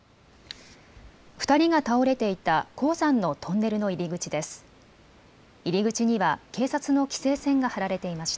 ２人が倒れていた高山のトンネルの入り口です。